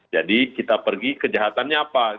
jadi kita pergi kejahatannya apa